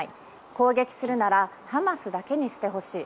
攻撃するならハマスだけにしてほしい。